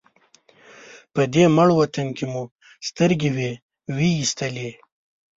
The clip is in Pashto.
په دې مړ وطن کې مو سترګې وې وېستلې.